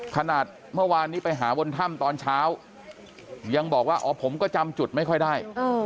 ขนาดนี้ไปหาบนถ้ำตอนเช้ายังบอกว่าอ๋อผมก็จำจุดไม่ค่อยได้